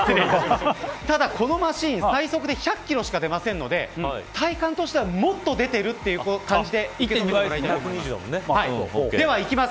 ただこのマシン最速で１００キロしか出ませんので体感としては、もっと出ているという感じでいてもらえればいいと思います。